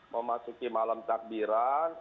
memasuki malam takbiran